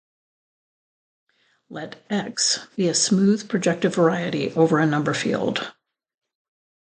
Let "X" be a smooth projective variety over a number field.